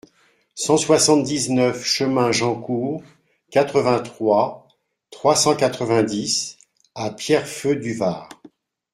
cent soixante-dix-neuf chemin Jean Court, quatre-vingt-trois, trois cent quatre-vingt-dix à Pierrefeu-du-Var